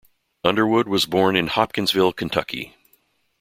Underwood was born in Hopkinsville, Kentucky.